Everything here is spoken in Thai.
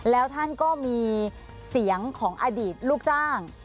แล้วท่านก็มีเสียงของอดีตลูกจ้าง